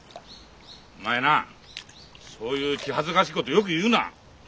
お前なそういう気恥ずかしいことよく言うな。